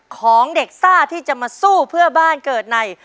ของเด็กซ่าที่จะมาสู้เพื่อบ้านเกิดใน